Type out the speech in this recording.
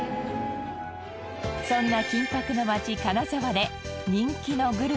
そんな金箔の街金沢で人気のグルメが。